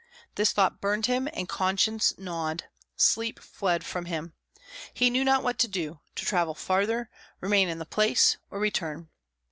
This thought burned him, and conscience gnawed. Sleep fled from him. He knew not what to do, to travel farther, remain in the place, or return.